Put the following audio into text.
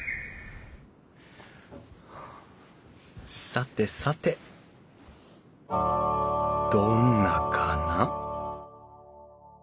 さてさてどんなかな？